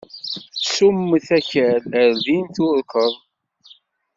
Ssummet akal, ar din terkuḍ.